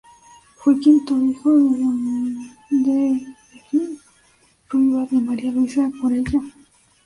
Fue el quinto hijo de Delfín Ruibal y María Luisa Corella.